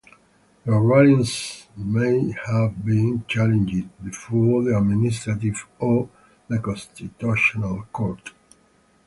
Their rulings may have been challenged before the Administrative or the Constitutional Court.